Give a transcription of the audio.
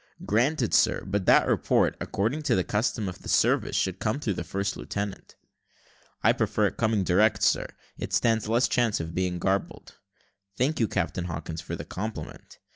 "Granted, sir; but that report, according to the custom of the service, should come through the first lieutenant." "I prefer it coming direct, sir; it stands less chance of being garbled." "Thank you, Captain Hawkins, for the compliment."